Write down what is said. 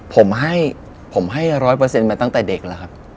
ผมให้ผมให้๑๐๐มาตั้งแต่เด็กแล้วครับ